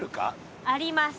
あります。